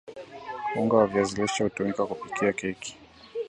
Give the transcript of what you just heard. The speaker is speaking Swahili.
unga wa viazi lishe hutumika kupikia keki